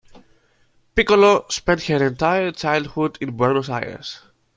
Piccolo spent her entire childhood in Buenos Aires.